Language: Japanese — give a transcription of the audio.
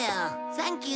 サンキュー。